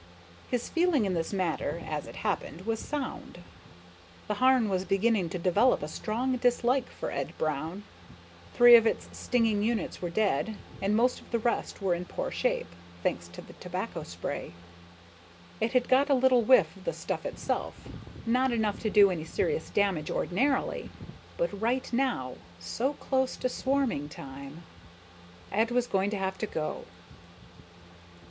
His feeling in this matter, as it happened, was sound. The Harn was beginning to develop a pretty strong dislike for Ed Brown. Three of its stinging units were dead, and most of the rest were in poor shape, thanks to the tobacco spray. It had got a little whiff of the stuff itself, not enough to do any serious damage ordinarily, but right now, so close to swarming time Ed was going to have to go.